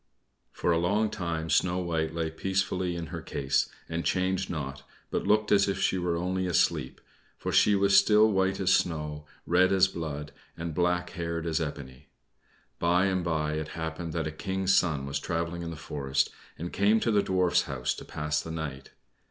For a long time Snow White lay peacefully in her case, and changed not, but looked as if she were only asleep, for she was still white as snow, red as blood, and black haired as ebony. By and by it happened that a King's son was traveling in the forest, and came to the Dwarfs' house to pass the night.